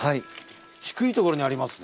低いところにありますね。